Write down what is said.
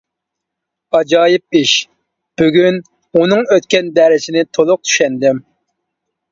ئاجايىپ ئىش، بۈگۈن ئۇنىڭ ئۆتكەن دەرسىنى تولۇق چۈشەندىم.